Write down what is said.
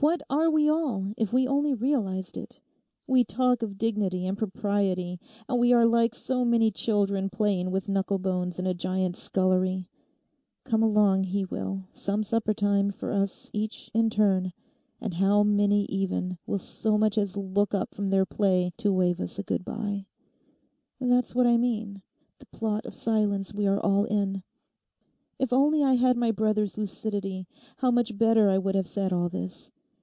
What are we all if we only realized it? We talk of dignity and propriety, and we are like so many children playing with knucklebones in a giant's scullery. Come along, he will, some suppertime, for us, each in turn—and how many even will so much as look up from their play to wave us good bye? that's what I mean—the plot of silence we are all in. If only I had my brother's lucidity, how much better I would have said all this.